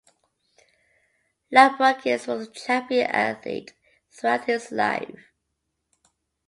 Lambrakis was a champion athlete throughout his life.